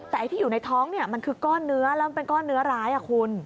แต่ไอ้ที่อยู่ในท้องเนี่ยมันคือก้อนเนื้อแล้วมันเป็นก้อนเนื้อร้ายคุณ